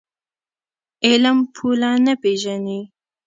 علم پوله نه پېژني.